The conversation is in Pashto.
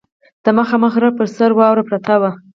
د مخامخ غره پر سر واوره پرته وه.